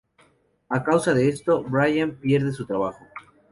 A causa de esto, Brian pierde su trabajo.